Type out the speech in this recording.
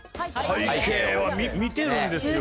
背景は見てるんですよ。